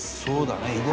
そうだね。